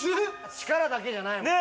力だけじゃないもん。